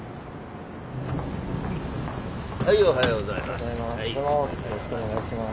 おはようございます。